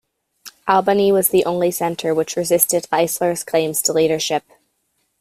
Albany was the only centre which resisted Leisler's claims to leadership.